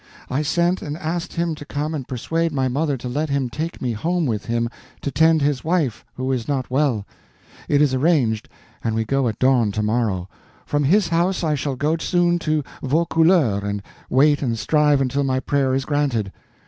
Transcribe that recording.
"I sent and asked him to come and persuade my mother to let him take me home with him to tend his wife, who is not well. It is arranged, and we go at dawn to morrow. From his house I shall go soon to Vaucouleurs, and wait and strive until my prayer is granted.